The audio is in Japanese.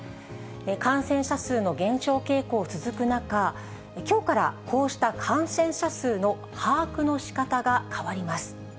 感染者数の減少傾向続く中、きょうからこうした感染者数の把握のしかたが変わります。